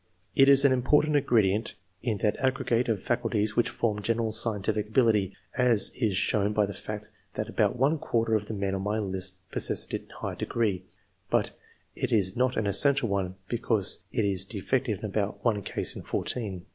It is an important ingredient in that aggregate of faculties which form general scientific ability, as is shown by the fact that about one quarter of the men on my list possess it in a high degree, but it is not an essential one, because it is defective in about one case in fourteen.